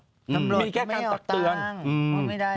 มีแค่ตามตักเตือนมีแค่ตามตักเตือนอืม